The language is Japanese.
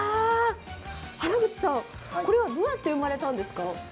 原口さん、これはどうやって生まれたんですか？